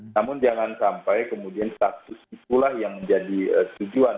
namun jangan sampai kemudian status itulah yang menjadi tujuan